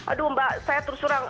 aduh mbak saya terserang